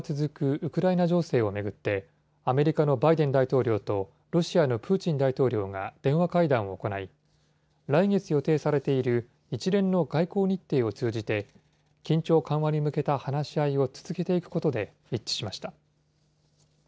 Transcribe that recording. ウクライナ情勢を巡って、アメリカのバイデン大統領とロシアのプーチン大統領が電話会談を行い、来月予定されている一連の外交日程を通じて、緊張緩和に向けた話し合いを続けていくことで一致しました。